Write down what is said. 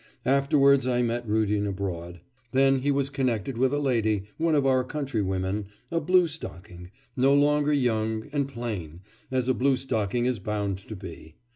Afterwards I met Rudin abroad. Then he was connected with a lady, one of our countrywomen, a bluestocking, no longer young, and plain, as a bluestocking is bound to be.